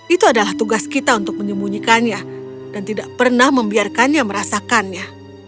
itu adalah tugas kita untuk menyembunyikannya dan tidak pernah membiarkannya merasakannya